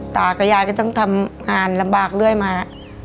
ตากับยายก็ต้องทำงานลำบากเรื่อยมา